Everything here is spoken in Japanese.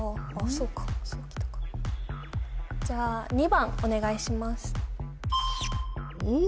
そうかそうきたかお願いしますおっ？